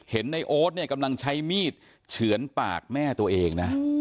เห็นนายอสกำลังใช้มีดเฉือนปากแม่ตัวเอง